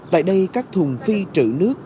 tại đây các thùng phi trữ nước